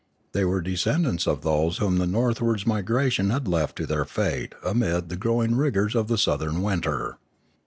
They were the descendants of those whom the north wards migration had left to their fate amid the growing rigours of the southern winter.